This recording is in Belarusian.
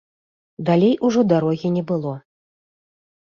Далей ужо дарогі не было.